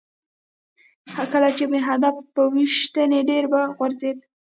کله چې به مې هدف په ویشتی ډېره به غورځېده.